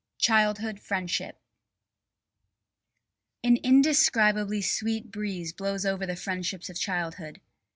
CHILDHOOD FRIENDSHIP An indescribably sweet breeze blows over the friendships of childhood.